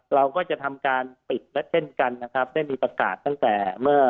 เราก็จะทำการปิดและเช่นกันนะครับได้มีประกาศตั้งแต่เมื่อ